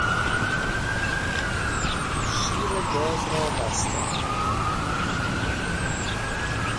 شیر گاز را بستن